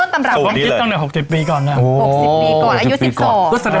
ต้นตำราบไหนผมคิดตั้งแต่๖๐ปีก่อนนะ